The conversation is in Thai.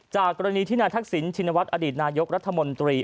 กรณีที่นายทักษิณชินวัฒนอดีตนายกรัฐมนตรี